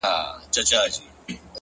هوډ د ستونزو تر شا فرصت ویني.